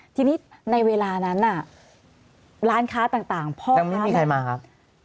ที่นี้ในเวลานั้นล้านค้าต่างไม่มีใครมาครับ